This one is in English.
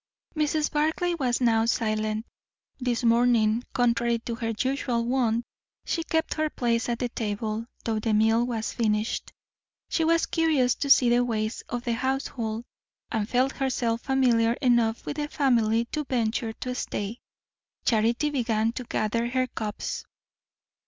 '" Mrs. Barclay was now silent. This morning, contrary to her usual wont, she kept her place at the table, though the meal was finished. She was curious to see the ways of the household, and felt herself familiar enough with the family to venture to stay. Charity began to gather her cups.